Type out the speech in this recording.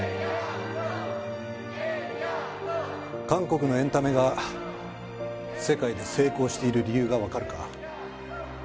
韓国のエンタメが世界で成功している理由がわかるか？